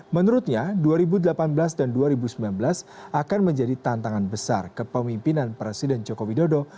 menurutnya dua ribu delapan belas dan dua ribu sembilan belas akan menjadi tantangan besar kepemimpinan presiden joko widodo